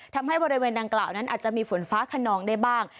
ทำให้บริเวณดังกล่าวนั้นอาจจะมีฝนฟ้าขนองได้บ้าง